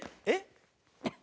えっ？